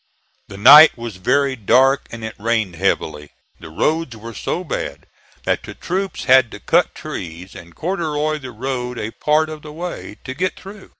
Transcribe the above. The night was very dark and it rained heavily, the roads were so bad that the troops had to cut trees and corduroy the road a part of the way, to get through.